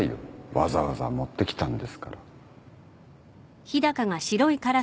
わざわざ持ってきたんですから。